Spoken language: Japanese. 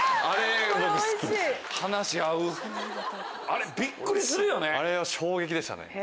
あれビックリするよね。